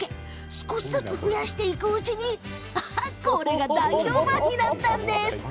少しずつ増やしていくうちにこれが大評判になったんです。